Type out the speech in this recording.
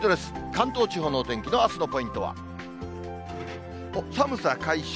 関東地方のお天気のあすのポイントは、寒さ解消。